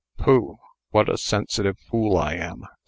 "Pooh! what a sensitive fool I am!"